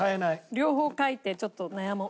両方書いてちょっと悩もう。